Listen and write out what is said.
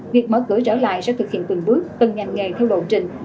việc mở cửa trở lại sẽ thực hiện từng bước từng ngành nghề theo lộ trình